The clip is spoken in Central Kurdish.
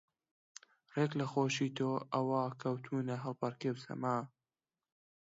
ڕێک لە خۆشی تۆ ئەوا کەوتوونە هەڵپەڕکێ و سەما